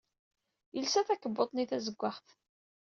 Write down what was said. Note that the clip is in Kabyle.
Yelsa takebbuḍt-nni tazewwaɣt.